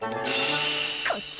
こっち。